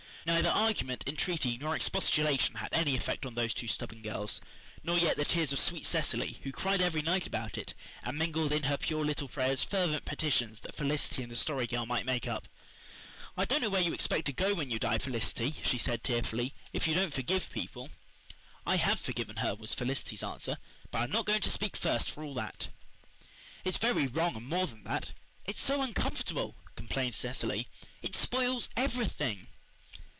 Neither argument, entreaty, nor expostulation had any effect on those two stubborn girls, nor yet the tears of sweet Cecily, who cried every night about it, and mingled in her pure little prayers fervent petitions that Felicity and the Story Girl might make up. "I don't know where you expect to go when you die, Felicity," she said tearfully, "if you don't forgive people." "I have forgiven her," was Felicity's answer, "but I am not going to speak first for all that." "It's very wrong, and, more than that, it's so uncomfortable," complained Cecily. "It spoils everything."